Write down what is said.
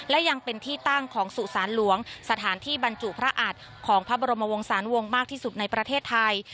และยังเป็นที่ตั้งของสุสานหลวงสถานที่บรรจุพระอัดของพระบรมวงศาลวงศ์มากที่สุดในประเทศไทย